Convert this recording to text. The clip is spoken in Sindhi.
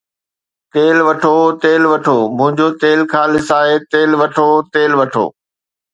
تيل وٺو، تيل وٺو، منهنجو تيل خالص آهي، تيل وٺو، تيل وٺو